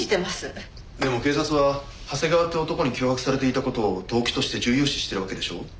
でも警察は長谷川って男に脅迫されていた事を動機として重要視しているわけでしょ？